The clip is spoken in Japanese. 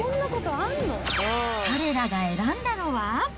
彼らが選んだのは。